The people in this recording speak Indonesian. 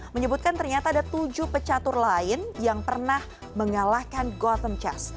menyebutkan ternyata ada tujuh pecatur lain yang pernah mengalahkan gotham chess